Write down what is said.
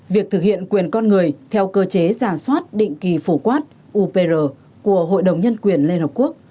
việc thực hiện quyền con người theo cơ chế giả soát định kỳ phổ quát upr của hội đồng nhân quyền liên hợp quốc